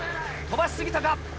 飛ばし過ぎたか？